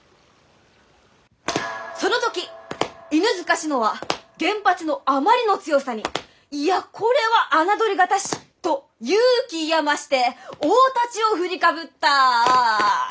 その時犬塚信乃は現八のあまりの強さに「いやこれは侮りがたし」と勇気いや増して大太刀を振りかぶった。